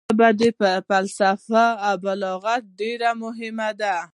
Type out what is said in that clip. د ژبې فصاحت او بلاغت ډېر مهم دی.